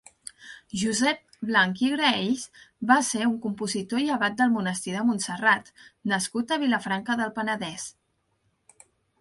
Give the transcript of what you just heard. Josep Blanch i Graells va ser un compositor i abat del monestir de Montserrat nascut a Vilafranca del Penedès.